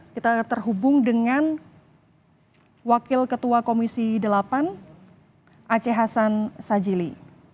kita terhubung dengan wakil ketua komisi delapan aceh hasan sajili